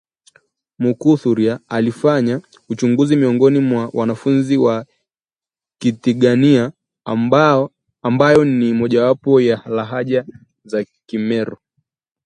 Mukuthuria alifanya uchunguzi miongoni mwa wanafunzi wa Kitigania ambayo ni mojawapo ya lahaja za Kimeru